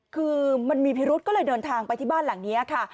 คือมันมีพิรุษก็เลยเดินทางไปที่บ้านหลังนี้ค่ะ